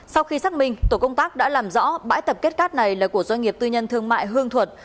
sau khi xác minh tổ công tác đã làm rõ bãi tập kết cát này là của doanh nghiệp tư nhân thương mại hương thuật